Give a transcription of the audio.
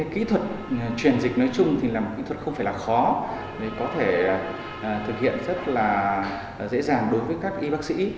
kỹ thuật truyền dịch nói chung thì là một kỹ thuật không phải là khó để có thể thực hiện rất là dễ dàng đối với các y bác sĩ